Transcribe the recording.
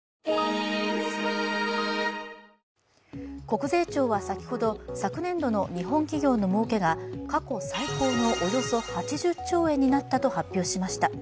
国税庁は先ほど昨年度の日本企業のもうけが過去最高のおよそ８０兆円になったと発表しました。